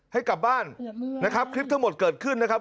ให้กลับบ้านนะครับคลิปทั้งหมดเกิดขึ้นนะครับ